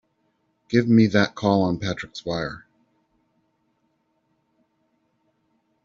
Give me that call on Patrick's wire!